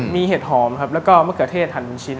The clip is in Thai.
มีเห็ดหอมครับแล้วก็มะเขือเทศหั่นเป็นชิ้น